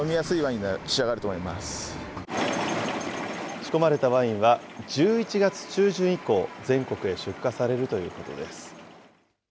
仕込まれたワインは１１月中旬以降、全国へ出荷されるということです。